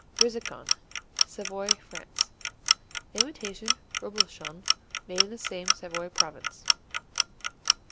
Brizecon Savoy, France Imitation Reblochon made in the same Savoy province.